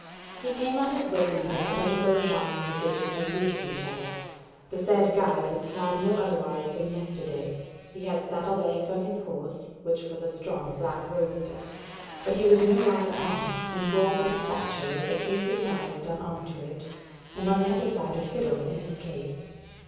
He came on his way leader about a bowshot from the gate and they greeted each other: the said guide was clad no otherwise than yesterday: he had saddle bags on his horse, which was a strong black roadster: but he was nowise armed, and bore but a satchel with a case of knives done on to it, and on the other side a fiddle in its case.